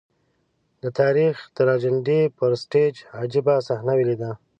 د تاریخ د ټراجېډي پر سټېج عجيبه صحنه ولیده.